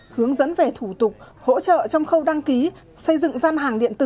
hướng dẫn về thủ tục hỗ trợ trong khâu đăng ký xây dựng gian hàng điện tử